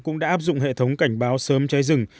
cũng đã áp dụng hệ thống cảnh báo sớm cháy rừng